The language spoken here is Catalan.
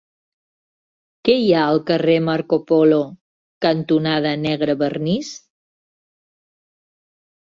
Què hi ha al carrer Marco Polo cantonada Negrevernís?